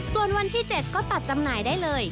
ส่วนวันที่๗ก็ตัดจำหน่ายได้เลย